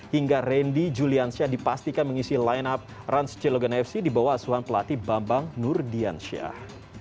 hingga randy juliansyah dipastikan mengisi line up rans cilegon fc di bawah asuhan pelatih bambang nurdiansyah